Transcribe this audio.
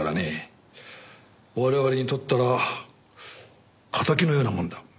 我々にとったら敵のようなもんだ。